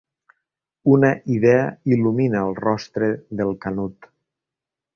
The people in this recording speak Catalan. Una idea il·lumina el rostre del Canut.